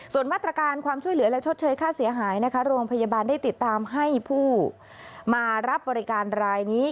ส่วนมาตรการความช่วยเหลือและชดเชยค่าเสียหายนะคะโรงพยาบาลได้ติดตามให้ผู้มารับบริการรายนี้